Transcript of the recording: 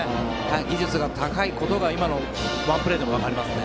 技術が高いことが今のワンプレーでも分かりますね。